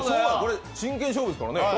真剣勝負ですからね。